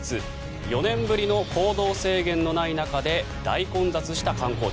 ４年ぶりの行動制限のない中で大混雑した観光地。